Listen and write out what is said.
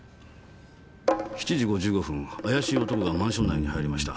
７時５５分怪しい男がマンション内に入りました。